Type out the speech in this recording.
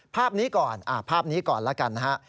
ภาพนี้ก่อนภาพนี้ก่อนแล้วกันนะฮะ